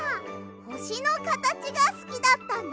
ほしのかたちがすきだったんだね。